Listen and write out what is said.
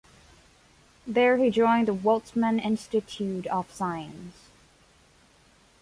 There he joined the Weizmann Institute of Science.